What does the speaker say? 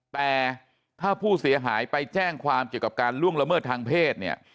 แต่ถ้าผู้เสียหายไปแจ้งความเกี่ยวกับการล่วงละเมิดทางเพศเนี่ย